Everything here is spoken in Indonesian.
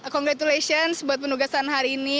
congratulations buat penugasan hari ini